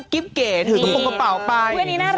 กิ๊บเก๋ถึงตรงกระเป๋าไป